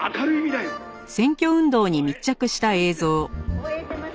「応援してますよ」